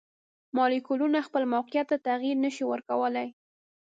مالیکولونه خپل موقیعت ته تغیر نشي ورکولی.